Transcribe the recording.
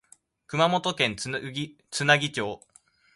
熊本県津奈木町